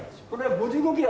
５５キロ！？